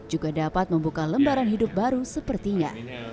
juga dapat membuka lembaran hidup baru sepertinya